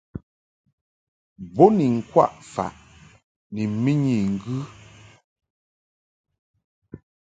Bo ni ŋkwaʼ faʼ ni mɨnyi ŋgɨ.